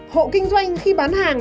hộ kinh doanh khi bán hàng